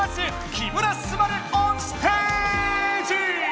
「木村昴オンステージ」！